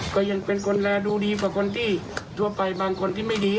ก็ยังเป็นคนดูแลดูดีกว่าคนที่ทั่วไปบางคนที่ไม่ดี